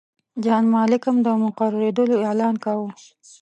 جان مالکم د مقررېدلو اعلان کاوه.